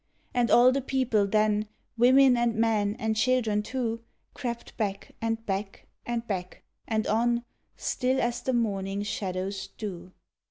And all the people then, Women and men, and children too, Crept back, and back, and back, and on, Still as the morning shadows do.